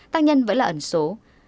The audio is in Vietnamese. tác nhân vẫn là ẩn số